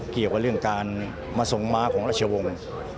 เกี่ยวกับเรื่องการมาส่งม้าของราชวงศ์